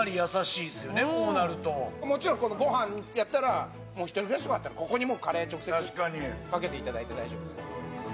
もちろんご飯やったらもう一人暮らしとかだったらここにもうカレー直接かけて頂いて大丈夫です。